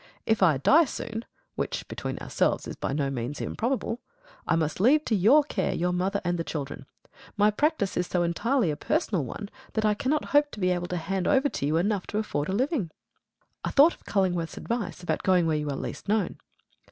If I die soon (which, between ourselves, is by no means improbable), I must leave to your care your mother and the children. My practice is so entirely a personal one that I cannot hope to be able to hand over to you enough to afford a living." I thought of Cullingworth's advice about going where you are least known.